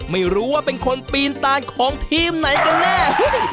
ไม่รู้ว่าเป็นคนปีนตานของทีมไหนกันแน่